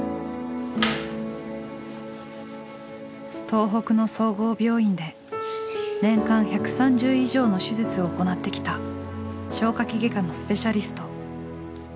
東北の総合病院で年間１３０以上の手術を行ってきた消化器外科のスペシャリスト。